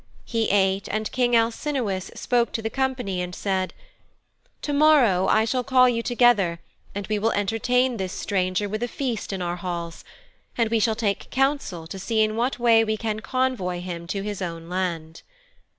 He ate, and King Alcinous spoke to the company and said: 'To morrow I shall call you together and we will entertain this stranger with a feast in our halls, and we shall take counsel to see in what way we can convoy him to his own land.'